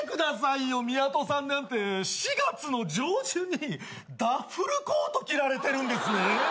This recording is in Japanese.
宮戸さんなんて４月の上旬にダッフルコート着られてるんですね。